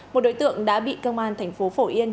một đối tượng đã bị cơ quan thành phố phổ yên